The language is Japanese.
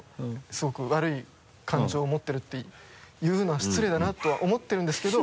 すごく悪い感情を持ってるっていうのは失礼だなとは思ってるんですけど